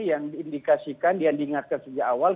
yang diindikasikan yang diingatkan sejak awal